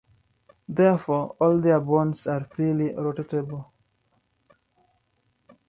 Therefore, all their bonds are freely rotatable.